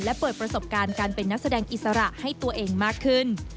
และเปิดประสบการณ์การเป็นนักแสดงอิสระให้ตัวเองมากขึ้น